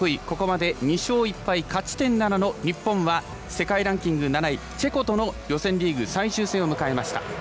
ここまで２勝１敗勝ち点７の日本は世界ランキング７位チェコとの予選リーグ最終戦を迎えました。